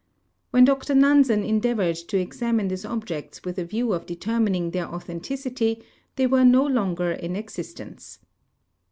When Dr Nansen endeavored to examine these objects with a view of determining their authenticity, tlu>y were no longer in existence.